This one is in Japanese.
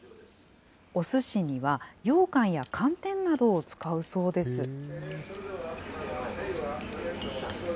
おすしには、ようかんや寒天などを使うそうです。